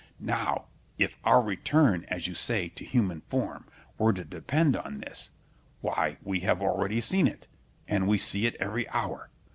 Now, if our return, as you say, to human form, were to depend on this, why we have already seen it, and we see it every hour.